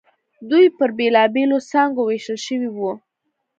دوی پر بېلابېلو څانګو وېشل شوي وو.